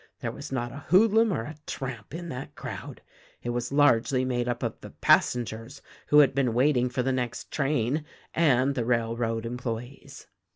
There was not a hoodlum or a tramp in that crowd. It was largely made up of the passengers who had been waiting for the next train, and the railroad employes.